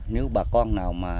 nếu bà con nào